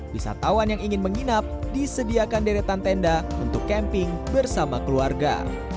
wisatawan yang ingin menginap disediakan deretan tenda untuk camping bersama keluarga